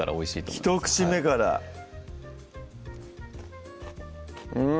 １口目からうん！